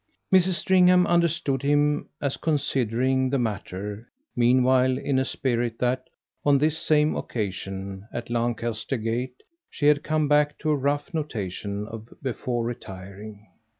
Mrs. Stringham understood him as considering the matter meanwhile in a spirit that, on this same occasion, at Lancaster Gate, she had come back to a rough notation of before retiring.